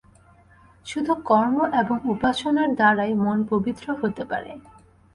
শুধু কর্ম এবং উপাসনার দ্বারাই মন পবিত্র হতে পারে।